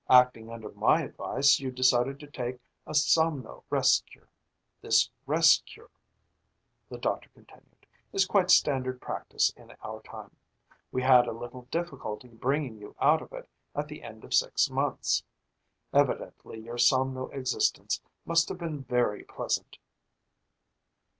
Acting under my advice, you decided to take a somno rest cure. "This rest cure," the doctor continued, "is quite standard practice in our time. We had a little difficulty bringing you out of it at the end of six months. Evidently your somno existence must have been very pleasant."